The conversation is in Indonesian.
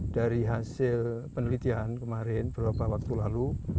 dari hasil penelitian kemarin beberapa waktu lalu